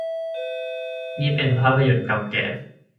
นี่เป็นภาพยนตร์เก่าแก่